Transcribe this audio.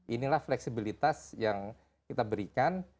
inilah fleksibilitas yang kita berikan